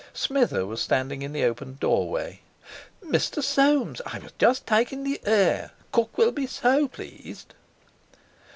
Smither was standing in the open doorway. "Mr. Soames! I was just taking the air. Cook will be so pleased."